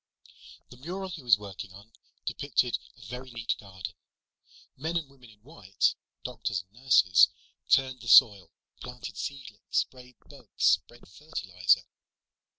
The mural he was working on depicted a very neat garden. Men and women in white, doctors and nurses, turned the soil, planted seedlings, sprayed bugs, spread fertilizer.